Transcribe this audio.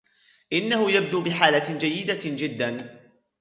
إنهُ يبدو بحالة جيداً جداً.